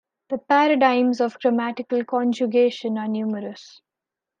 The paradigms of grammatical conjugation are numerous.